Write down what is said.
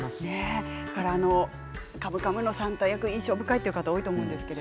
「カムカム」の算太役印象深いという方多いと思います。